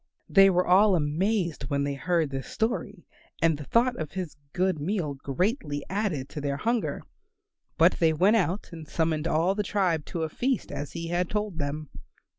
They were all amazed when they heard his story, and the thought of his good meal greatly added to their hunger. But they went out and summoned all the tribe to a feast as he had told them.